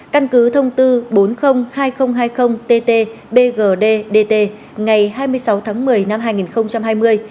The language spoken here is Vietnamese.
căn cứ thông tư bốn trăm linh hai nghìn hai mươi tt bgdtt ngày hai mươi sáu tháng một mươi năm hai nghìn hai mươi